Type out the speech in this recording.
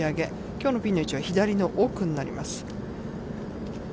きょうのピンの位置は、左の奥になります。